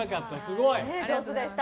上手でした。